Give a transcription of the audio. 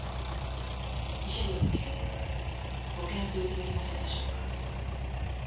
慰謝料の件ご検討いただけましたでしょうか？